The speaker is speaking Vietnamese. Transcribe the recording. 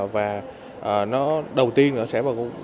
và đồng hành với các tổ chức tài chính